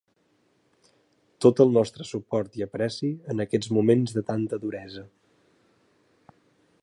Tot el nostre suport i apreci en aquest moments de tanta duresa.